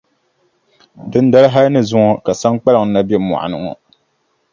Dindali hali ni zuŋɔ ka Saŋkpaliŋ na be mɔɣu ni ŋɔ.